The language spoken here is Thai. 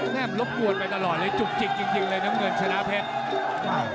แม่มรบกวนไปตลอดเลยจุกจิกจริงเลยน้ำเงินชนะเพชร